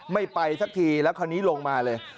ไม่ไปสักทีแล้วคราวนี้ลงมาเลย